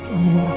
amin ya allah